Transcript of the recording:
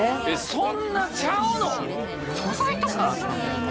そんなちゃうの？